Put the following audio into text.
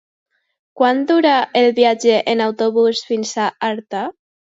Quant dura el viatge en autobús fins a Artà?